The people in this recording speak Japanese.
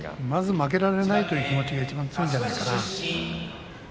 まず負けられないという気持ちが強いんじゃないですかね。